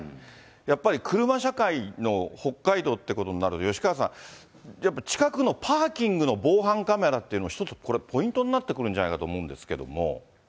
やっぱり車社会の北海道ってことになると、吉川さん、やっぱ近くのパーキングの防犯カメラっていうのも、一つ、これ、ポイントになってくるんじゃないかと思うんですけども。